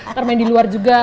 ntar main di luar juga